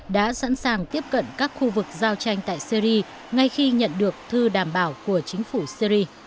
đã sẵn sàng tiếp cận các khu vực giao tranh tại syri ngay khi nhận được thư đảm bảo của chính phủ syri